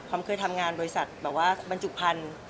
เคยทำงานบริษัทแบบว่าบรรจุพันธุ์